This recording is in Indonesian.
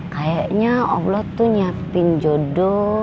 kayaknya allah tuh nyiapin jodoh